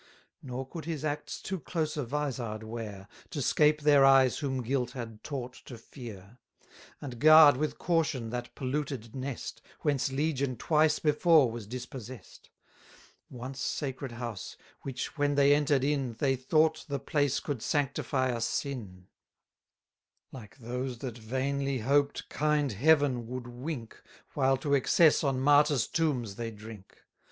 Nor could his acts too close a vizard wear, To 'scape their eyes whom guilt had taught to fear, 180 And guard with caution that polluted nest, Whence Legion twice before was dispossess'd: Once sacred house; which, when they enter'd in, They thought the place could sanctify a sin; Like those that vainly hoped kind Heaven would wink, While to excess on martyrs' tombs they drink.